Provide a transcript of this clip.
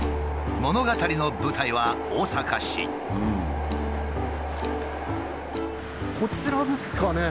物語の舞台はこちらですかね。